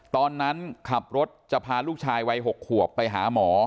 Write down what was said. ตอนนั้นขับรถจะพาลูกชายวัย๖ขวบไปหาหมอ